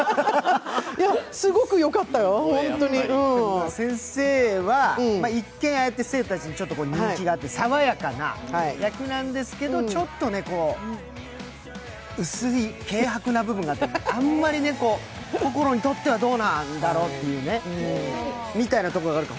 すごくよかったよ、本当に先生は一見ああやって生徒たちに人気があって爽やかな役なんですけどちょっと薄い、軽薄な部分があってあんまりこころにとってはどうなんだろうみたいなところがあるから。